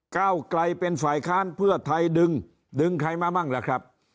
ก้าวไกลเป็นฝ่ายค้านเพื่อไทยดึงดึงใครมามั่งล่ะครับ